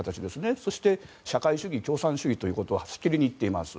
そして、社会主義、共産主義ということをしきりに言っています。